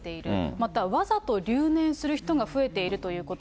また、わざと留年する人が増えているということ。